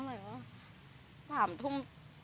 อะไรเหรอสามทุ่ม